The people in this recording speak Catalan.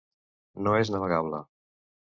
No és navegable.